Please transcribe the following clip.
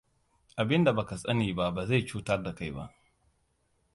Abinda ba ka saniba ba zai cutar da kai ba.